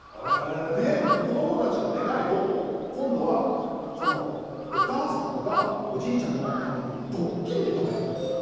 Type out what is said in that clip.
で、子どもたちの願いを今度は、お母さんとかおじいちゃんのためにドッキリでかなえていくの。